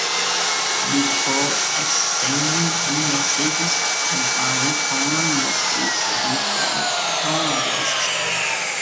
Before exchanging any messages, a bind command must be sent and acknowledged.